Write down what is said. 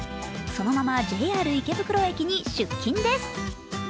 そのままＪＲ池袋駅に出勤です。